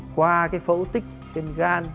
qua phẫu tích trên gan